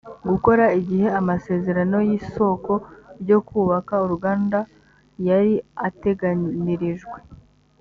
gukora igihe amasezerano y isoko ryo kubaka uruganda yari ateganirijwe